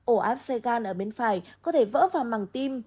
ổ áp xe gan ở bên phải có thể vỡ vào mẳng tim